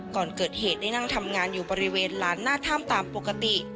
ก่อนเกิดเหตุได้นั่งทำงานอยู่บริเวณลานหน้าถ้ำตามปกติ